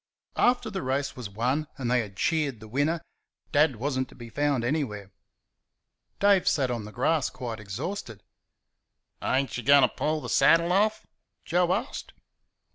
After the race was won and they had cheered the winner, Dad was n't to be found anywhere. Dave sat on the grass quite exhausted. "Ain't y' goin' to pull the saddle off?" Joe asked.